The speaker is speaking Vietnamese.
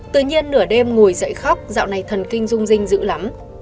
tự nhiên nửa đêm ngồi dậy khóc dạo này thần kinh rung rinh dữ lắm